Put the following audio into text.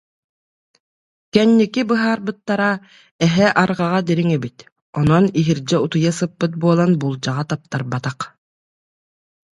Кэнники быһаарбыттара: эһэ арҕаҕа дириҥ эбит, онон иһирдьэ утуйа сыппыт буолан буулдьаҕа таптарбатах